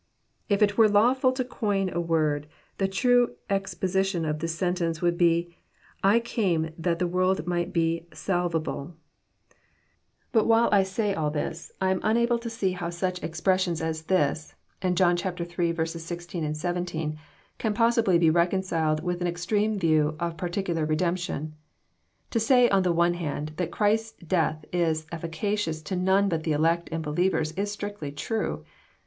If It were lawfhl to coin a word, the true exposition of the sentence would be, " I came that the world might be Mlvable, But while I say all this, I am unable to see how such ex* JOHN) CHAP. xn. 379 pressions as this, and John lit. 16, 17, can possibly be reconciled With an extreme view of particalar redemption. To say, on the one hand, that Christ's death is efficacious to none but the elect and believers, is strictly true.